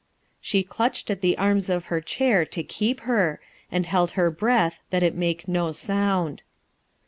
She clutched at the arms of her chair, to keep her, and held her breath that it make no sound.